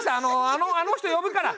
あのあの人呼ぶから！